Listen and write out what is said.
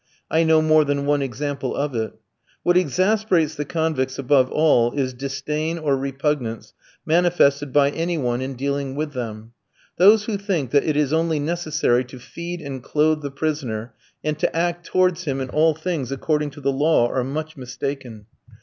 I know more than one example of it. What exasperates the convicts above all is disdain or repugnance manifested by any one in dealing with them. Those who think that it is only necessary to feed and clothe the prisoner, and to act towards him in all things according to the law, are much mistaken.